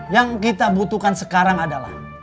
yang kita butuhkan sekarang adalah